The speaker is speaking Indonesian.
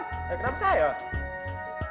eh kenapa saya